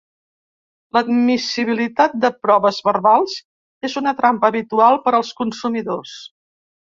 L'admissibilitat de proves verbals és una trampa habitual per als consumidors.